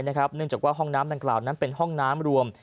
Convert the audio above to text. เนื่องจากว่าห้องน้ำดังกล่าวนั้นเป็นห้องน้ำรวม